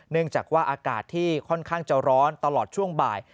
เนื่องจากว่าอากาศที่ค่อนข้างจะร้อนตลอดช่วงบ่าย